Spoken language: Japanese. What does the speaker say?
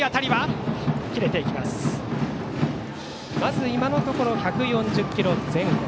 まず今のところ１４０キロ前後。